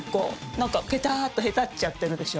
何かペタっとへたっちゃってるでしょ？